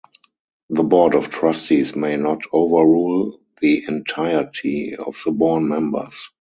The Board of Trustees may not overrule the entirety of the born members.